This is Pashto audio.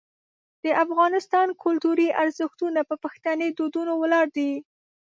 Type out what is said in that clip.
د افغانستان کلتوري ارزښتونه په پښتني دودونو ولاړ دي.